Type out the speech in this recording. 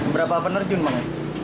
berapa penerjun pak